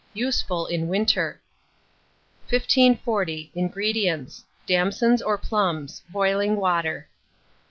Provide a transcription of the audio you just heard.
(Useful in Winter.) 1540. INGREDIENTS. Damsons or plums; boiling water.